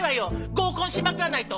合コンしまくらないと。